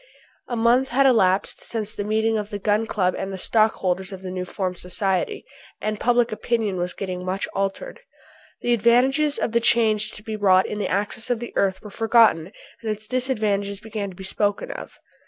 A month had elapsed since the meeting of the Gun Club and the stockholders of the new formed society, and public opinion was getting much altered. The advantages of the change to be wrought in the axis of the earth were forgotten and its disadvantages began to be spoken of.